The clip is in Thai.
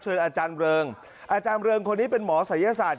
อาจารย์เริงอาจารย์เริงคนนี้เป็นหมอศัยศาสต